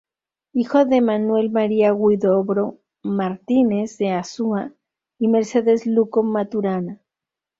Hijo de Manuel María Huidobro Martínez de Azúa y Mercedes Luco Maturana.